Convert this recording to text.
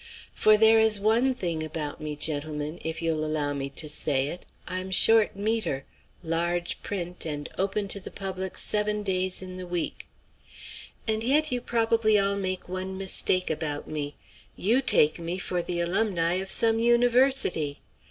For there is one thing about me, gentlemen, if you'll allow me to say it, I'm short metre, large print, and open to the public seven days in the week. And yet you probably all make one mistake about me: you take me for the alumni of some university.